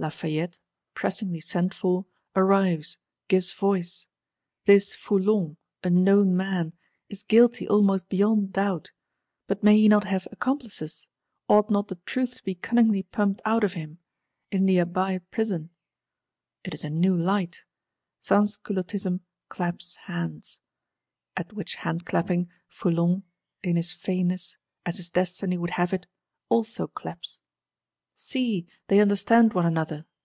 —Lafayette, pressingly sent for, arrives; gives voice: This Foulon, a known man, is guilty almost beyond doubt; but may he not have accomplices? Ought not the truth to be cunningly pumped out of him,—in the Abbaye Prison? It is a new light! Sansculottism claps hands;—at which hand clapping, Foulon (in his fainness, as his Destiny would have it) also claps. 'See! they understand one another!